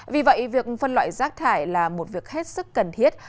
vì vậy việc phân loại rác thải là một việc hết sức cần thiết